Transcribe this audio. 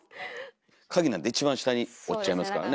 カギなんて一番下に落ちちゃいますからね。